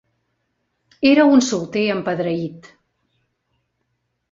Era un solter empedreït.